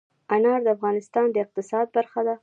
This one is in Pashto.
انار د افغانستان د اقتصاد برخه ده.